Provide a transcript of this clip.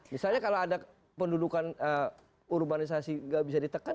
misalnya kalau ada pendudukan urbanisasi nggak bisa ditekan